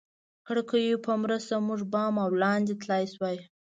کړکیو په مرسته موږ بام او لاندې تلای شوای.